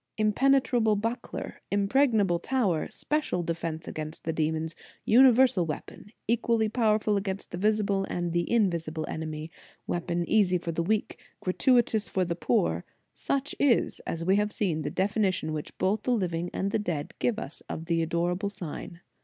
Impenetrable buckler, impregnable tower, special defence against the demons, universal weapon, equally powerful against the visible and the invisible enemy, weapon easy for the weak, gratuitous for the poor: such is, as we have seen, the definition which both the livino and the dead give us of the adorable sign.